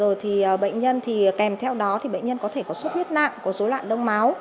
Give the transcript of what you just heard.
rồi thì bệnh nhân thì kèm theo đó thì bệnh nhân có thể có sốt huyết nặng có số lạng đông máu